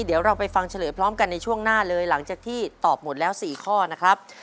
เดี๋ยวเราไปฟังเฉลยพร้อมกันในช่วงหน้าเลยหลังจากที่ตอบหมดแล้ว๔ข้อนะครับ